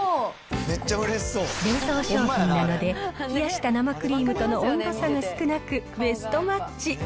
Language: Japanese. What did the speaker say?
冷蔵商品なので、冷やした生クリームとの温度差が少なく、ベストマッチ。